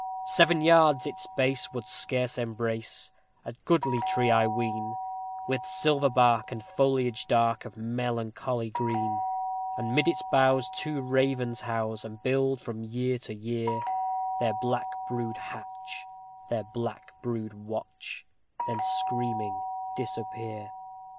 Seven yards its base would scarce embrace a goodly tree I ween, With silver bark, and foliage dark, of melancholy green; And mid its boughs two ravens house, and build from year to year, Their black brood hatch their black brood watch then screaming disappear.